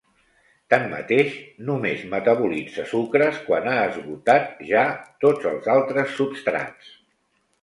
Tanmateix només metabolitza sucres quan ha esgotat ja tots els altres substrats.